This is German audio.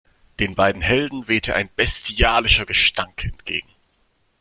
Den beiden Helden wehte ein bestialischer Gestank entgegen.